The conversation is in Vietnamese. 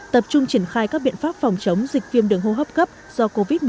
tập trung triển khai các biện pháp phòng chống dịch viêm đường hô hấp cấp do covid một mươi chín